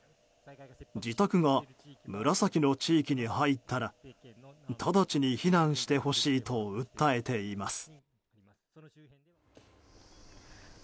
自宅が紫の地域に入ったら直ちに避難してほしいと訴えています。